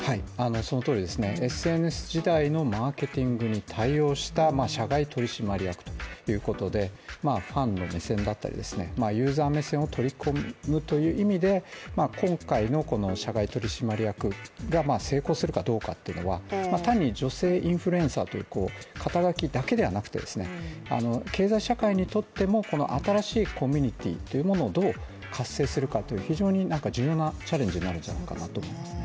そのとおりですね、ＳＮＳ時代のマーケティングに対応した社外取締役ということで、ファンの目線だったり、ユーザー目線を取り込むという意味で今回の社外取締役が成功するかどうかというのは単に女性インフルエンサーという肩書だけではなくて経済社会にとっても新しいコミュニティーというのをどう活性するかという非常に重要なチャレンジになるんじゃないかなと思いますね。